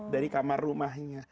dari kamar rumahnya